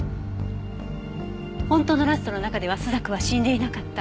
本当のラストの中では朱雀は死んでいなかった。